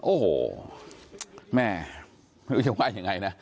โอ้โหแม่ไม่รู้จะว่ายังไงนะ